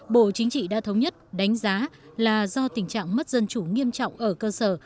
bộ chính trị đã thống nhất đánh giá là do tình trạng mất dân chủ nghiêm trọng ở cơ sở